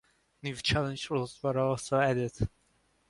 New challenge rules were also added.